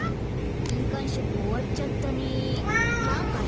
きんかんしょくおわっちゃったね。